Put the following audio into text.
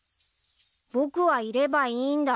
［僕はいればいいんだ］